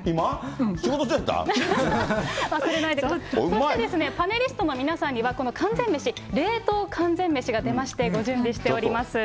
そして、パネリストの皆さんには、この完全メシ、冷凍完全メシが出まして、ご準備しております。